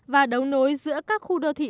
và đấu nối giữa các khu đô thị